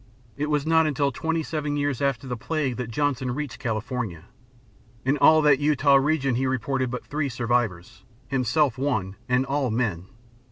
It was not until twenty seven years after the plague that Johnson reached California. In all that Utah region he reported but three survivors, himself one, and all men.